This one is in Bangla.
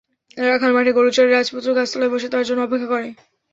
রাখাল মাঠে গরু চরায়, রাজপুত্র গাছতলায় বসে তার জন্য অপেক্ষা করে।